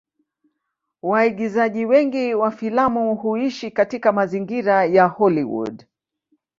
Waigizaji wengi wa filamu huishi katika mazingira ya Hollywood.